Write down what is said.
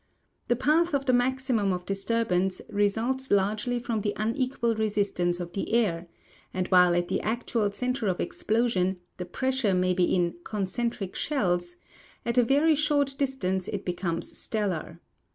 The path of the maximum of disturb ance results largely from the unequal resistance of the air, and while at the actual center of explosion the pressure may be in " concentric shells," at a very short distance it becomes stellar.